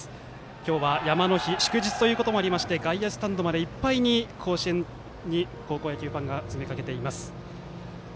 今日は、山の日祝日ということもありまして外野スタンドまでいっぱいに甲子園に高校野球ファンが詰め掛けています。